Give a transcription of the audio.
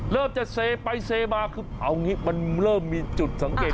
เริ่มจะเซไปเซมาคือเอางี้มันเริ่มมีจุดสังเกต